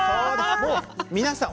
もう皆さん